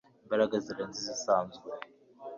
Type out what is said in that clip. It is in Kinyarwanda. imbaraga zirenze izisanzwe